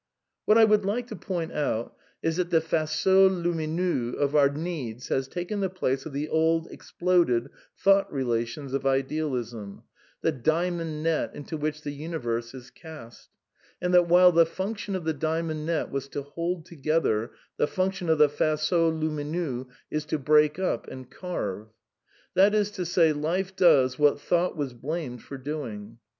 What I would like to point out is that the " faisceaux limiineux " of our needs have taken the place of the old exploded " thought relations " of idealism, the " diamond net '^ into which the universe is cast, and that while the function of the diamond net was to hold together, the function of the " faisceaux lumineux " is to break up and carve. That is to say. Life does what Thought was blamed for doing.